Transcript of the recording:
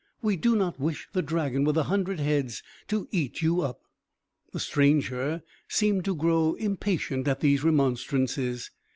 We do not wish the dragon with the hundred heads to eat you up!" The stranger seemed to grow impatient at these remonstrances.